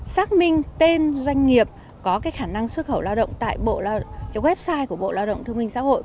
xác minh tên doanh nghiệp có khả năng xuất khẩu lao động tại website của bộ lao động thông minh xã hội